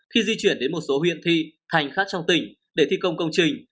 khi di chuyển đến một số huyện thi thành khác trong tỉnh để thi công công trình